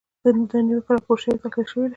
دا نیوکه راپور شوې او تحلیل شوې ده.